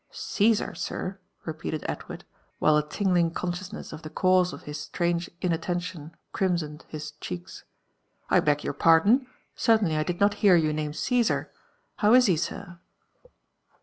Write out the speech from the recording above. "Caesar, sir!" repealed Edward, while a lingling consciousness of the cause of his strange innttenlion crimsoned his checks. "I. beg your fiardon : certainly I did not hear you name Caesar. How is be, sir!"